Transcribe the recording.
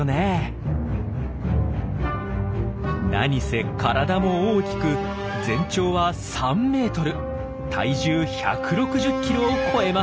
なにせ体も大きく全長は３メートル体重１６０キロを超えます。